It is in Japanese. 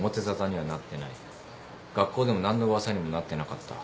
学校でも何の噂にもなってなかった。